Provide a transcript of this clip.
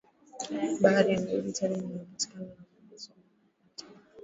Bahari ya Mediteraneo inayopakana na Misri Sudan Niger Chad